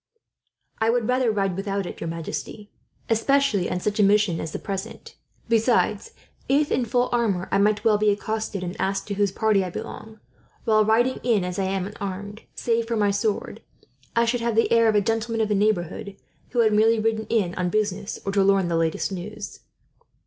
"I would rather ride without it, your majesty, especially on such a mission as the present. Besides, if in full armour I might well be accosted, and asked to whose party I belong; while riding in as I am, unarmed, save for my sword, I should have the air of a gentleman of the neighbourhood, who had merely ridden in on business, or to learn the latest news."